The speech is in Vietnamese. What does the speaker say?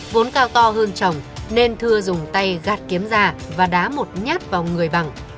vốn cao to hơn chồng nên thưa dùng tay gạt kiếm ra và đá một nhát vào người bằng